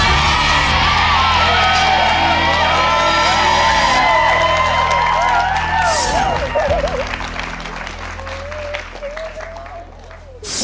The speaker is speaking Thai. ถูกครับ